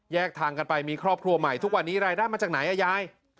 ทางกันไปมีครอบครัวใหม่ทุกวันนี้รายได้มาจากไหนอ่ะยาย